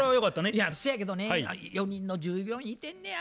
いやそやけどね４人の従業員いてんねや。